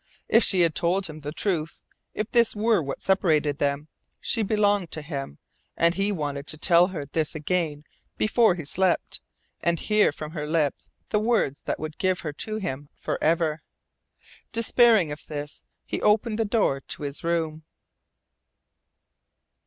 If she had told him the truth if this were what separated them she belonged to him; and he wanted to tell her this again before he slept, and hear from her lips the words that would give her to him forever. Despairing of this, he opened the door to his room.